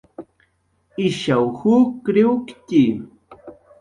Ishaw jukriwktxi